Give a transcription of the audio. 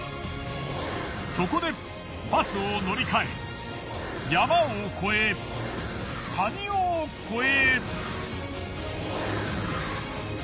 そこでバスを乗り換え山を越え谷を越え。